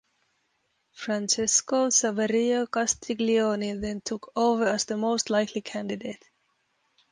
Francesco Saverio Castiglioni then took over as the most likely candidate.